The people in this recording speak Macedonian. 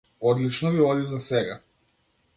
Одлично ви оди засега.